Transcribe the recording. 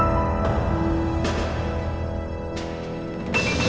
dia nangis sendiri